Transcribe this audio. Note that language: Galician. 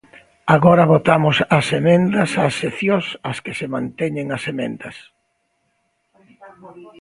Agora votamos as emendas ás seccións ás que se manteñen as emendas.